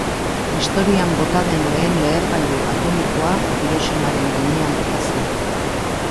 Historian bota den lehen lehergailu atomikoa Hiroshimaren gainean bota zen.